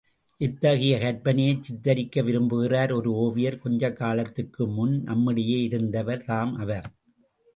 இத்தகைய கற்பனையைச் சித்தரிக்க விரும்புகிறார் ஒரு ஓவியர், கொஞ்சகாலத்திற்கு முன் நம்மிடையே இருந்தவர் தாம் அவர்.